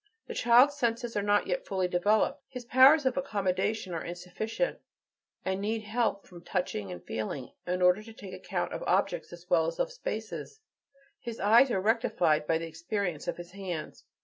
The child's senses are not yet fully developed; his powers of accommodation are insufficient, and need help from touching and feeling, in order to take account of objects as well as of spaces; and his eyes are rectified by the experience of his hands.